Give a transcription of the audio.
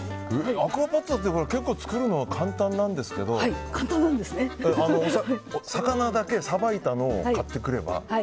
アクアパッツァって結構作るのは簡単なんですけど魚だけさばいたのを買ってくれば。